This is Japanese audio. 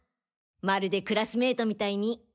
まるでクラスメイトみたいに。